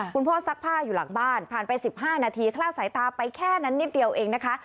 ซักผ้าอยู่หลังบ้านผ่านไป๑๕นาทีคลาดสายตาไปแค่นั้นนิดเดียวเองนะคะ